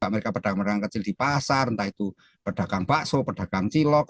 mereka pedagang pedagang kecil di pasar entah itu pedagang bakso pedagang cilok